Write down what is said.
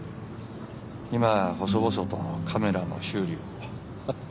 今は細々とカメラの修理を。